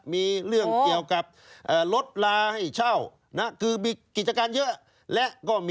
มีเรื่องเกี่ยวกับรถลาให้เช่า